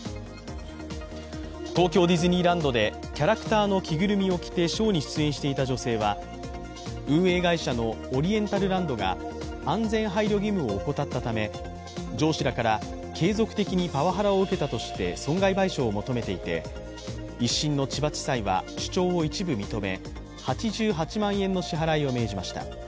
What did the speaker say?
東京ディズニーランドでキャラクターの着ぐるみを着てショーに出演していた女性は運営会社のオリエンタルランドが安全配慮義務を怠ったため、上司らから継続的にパワハラを受けたとして損害賠償を求めていて１審の千葉地裁は主張を一部認め８８万円の支払いを命じました。